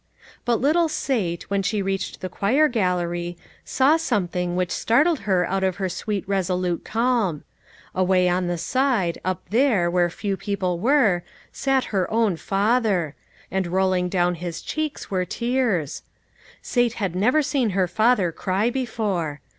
But little Sate, when she reached the choir gallery, saw something which startled her out of her sweet resolute calm. Away on the side, up there, where few people were, sat her own father ; and rolling down his cheeks were tears. Sate had never seen her father cry before.